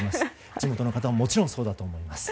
地元の方はもちろんそうだと思います。